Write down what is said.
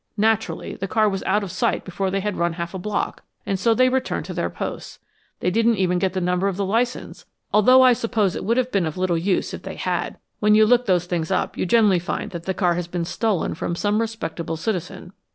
Naturally the car was out of sight before they had run half a block, and so they returned to their posts. They didn't even get the number of the license, although I suppose it would have been of little use if they had. When you look those things up you generally find that the car has been stolen from some respectable citizen."